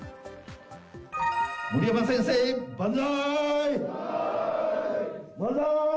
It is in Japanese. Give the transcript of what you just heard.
森山先生、万歳！